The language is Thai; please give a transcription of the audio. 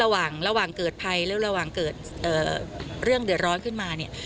ระหว่างเกิดภัยแล้วระหว่างเกิดเรื่องเดือดร้อนขึ้นมาเนี่ย